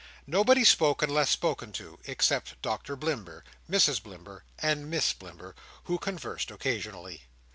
Nobody spoke, unless spoken to, except Doctor Blimber, Mrs Blimber, and Miss Blimber, who conversed occasionally.